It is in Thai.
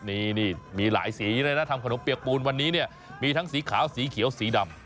นี่มีหลายสีเลยนะทำขนมเปียกปูนวันนี้เนี่ยมีทั้งสีขาวสีเขียวสีดำ